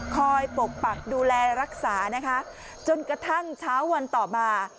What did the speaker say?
ปกปักดูแลรักษานะคะจนกระทั่งเช้าวันต่อมา